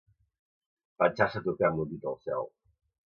Pensar-se tocar amb un dit al cel.